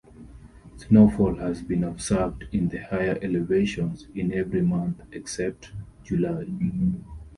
Snowfall has been observed in the higher elevations in every month except July.